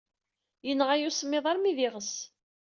Yenɣa-iyi usemmiḍ armi d iɣes.